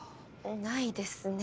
ないですね。